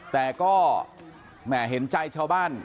แต่ก็แหม่เห็นใจชาวบ้าน